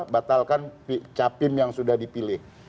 batalkan capim yang sudah dipilih